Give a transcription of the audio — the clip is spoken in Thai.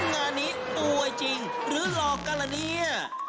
งานนี้ตัวจริงหรือหลอกกันเหรอเนี่ย